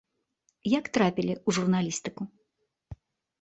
Як трапілі ў журналістыку?